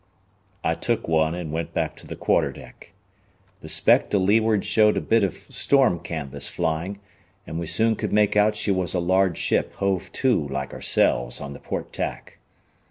I took one and went back to the quarter deck. The speck to leeward showed a bit of storm canvas flying, and we soon could make out she was a large ship hove to like ourselves on the port tack.